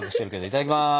いただきます。